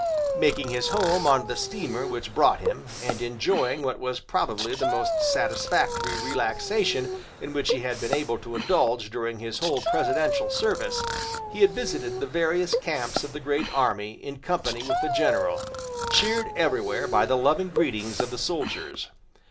Making his home on the steamer which brought him, and enjoying what was probably the most satisfactory relaxation in which he had been able to indulge during his whole presidential service, he had visited the various camps of the great army in company with the general, cheered everywhere by the loving greetings of the soldiers.